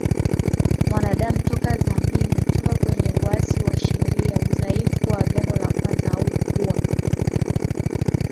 mwanadamu toka dhambini toka kwenye Uasi wa sheria Udhaifu wa Agano la kwanza haukuwa